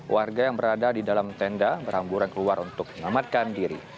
warga yang berada di dalam tenda berhamburan keluar untuk menyelamatkan diri